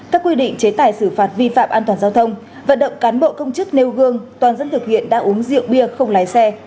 các quy định chế tài xử phạt vi phạm an toàn giao thông vận động cán bộ công chức nêu gương toàn dân thực hiện đã uống rượu bia không lái xe